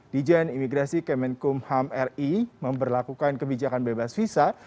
dijen imigrasi kemenkumham ri memperlakukan kebijakan bebas visa